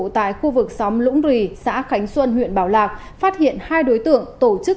tại khu vực xóm lũng rì xã khánh xuân huyện bảo lạc phát hiện hai đối tượng tổ chức